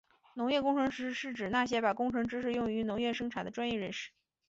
农业工程师是指那些把工程知识用于农业生产的专业人士。